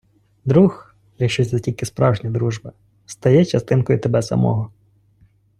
Друг — якщо це тільки справжня дружба -— стає частинкою тебе самого.